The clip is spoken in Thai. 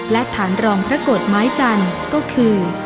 และฐานรองพระโกรธไม้จันทร์ก็คือ